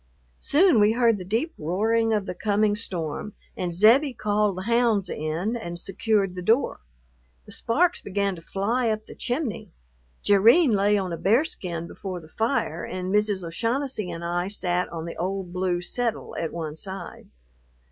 Soon we heard the deep roaring of the coming storm, and Zebbie called the hounds in and secured the door. The sparks began to fly up the chimney. Jerrine lay on a bearskin before the fire, and Mrs. O'Shaughnessy and I sat on the old blue "settle" at one side.